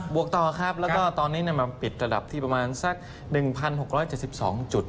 วกต่อครับแล้วก็ตอนนี้มาปิดระดับที่ประมาณสัก๑๖๗๒จุด